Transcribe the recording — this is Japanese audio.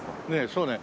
そうね。